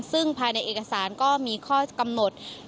ซึ่งภายในเอกสารก็มีข้อกำหนด